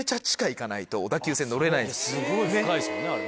すごい深いですもんねあれね。